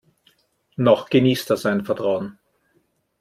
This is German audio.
Noch genießt er sein Vertrauen.